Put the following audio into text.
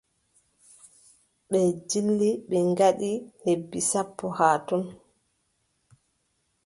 Ɓe ndilli, ɓe ngaɗi lebbi sappo haa ton.